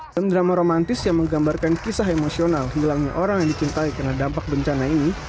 sen drama romantis yang menggambarkan kisah emosional hilangnya orang yang dicintai karena dampak bencana ini